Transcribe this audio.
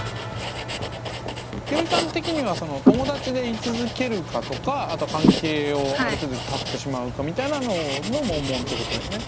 ひよりさん的には友達でい続けるかとかあと関係をある程度断ってしまうかみたいなののモンモンってことだよね。